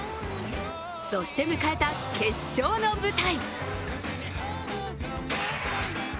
そして迎えた決勝の舞台。